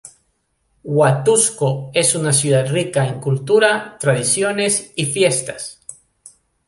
Huatusco es una ciudad rica en cultura, tradiciones y fiestas.